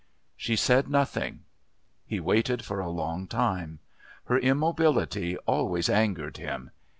She said nothing. He waited for a long time. Her immobility always angered him.